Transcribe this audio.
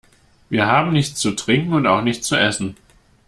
Wir haben nichts zu trinken und auch nichts zu essen.